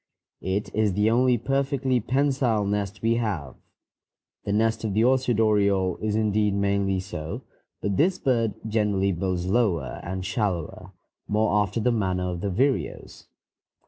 It is the only perfectly pensile nest we have. The nest of the orchard oriole is indeed mainly so, but this bird generally builds lower and shallower, more after the manner of the vireos.